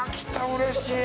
うれしい。